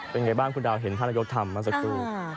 เป็นยังไงบ้างคุณดาวท่านนายกทำน่าจะคง